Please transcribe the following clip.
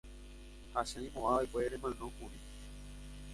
ha che aimo'ãva'ekue remanókuri.